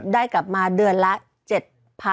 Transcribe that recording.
ได้กลับมาเดือนละ๗๐๐๐